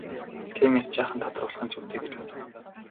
Тиймээс жаахан тодруулах нь зүйтэй гэж бодов.